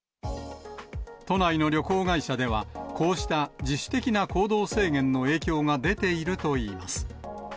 都内の旅行会社では、こうした自主的な行動制限の影響が出ているといいます。